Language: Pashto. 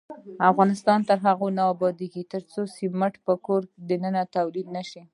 افغانستان تر هغو نه ابادیږي، ترڅو سمنټ په کور دننه تولید نشي.